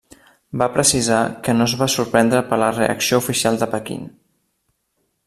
Va precisar que no es va sorprendre per la reacció oficial de Pequín.